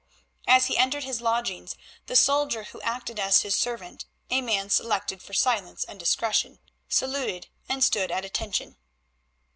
As he entered his lodgings the soldier who acted as his servant, a man selected for silence and discretion, saluted and stood at attention.